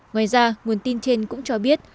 ngoài ra nguồn tin trên cũng cho biết